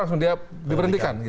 langsung dia diberhentikan